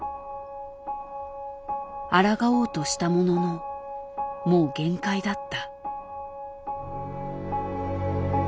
あらがおうとしたもののもう限界だった。